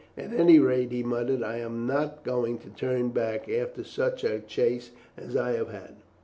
At any rate," he muttered, "I am not going to turn back after such a chase as I have had."